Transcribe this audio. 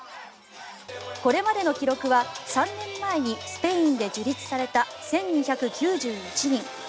これまでの記録は３年前にスペインで樹立された１２９１人。